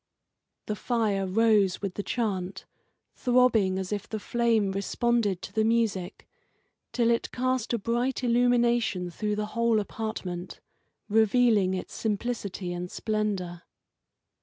The fire rose with the chant, throbbing as if the flame responded to the music, until it cast a bright illumination through the whole apartment, revealing its simplicity and splendour.